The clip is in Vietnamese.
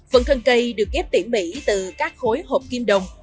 phần thân cây được ghép tiễn bỉ từ các khối hộp kim đồng